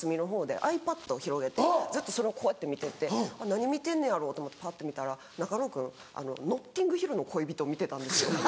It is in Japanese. ｉＰａｄを広げてずっとそれをこうやって見てて何見てんねやろ？と思ってパッて見たら中野君『ノッティングヒルの恋人』見てたんですよ。